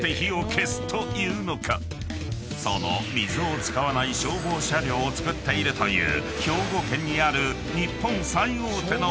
［その水を使わない消防車両を造っているという兵庫県にある］